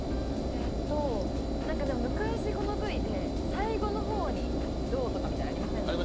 えっと何か昔このＶで最後のほうにどうとかみたいのありませんでした？